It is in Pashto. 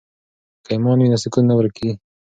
که ایمان وي نو سکون نه ورکیږي.